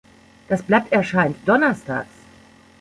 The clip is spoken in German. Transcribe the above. Das Blatt erscheint donnerstags.